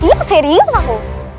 iya serius aku